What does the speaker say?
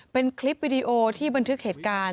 เป็นคลิปวิดีโอที่บันทึกเหตุการณ์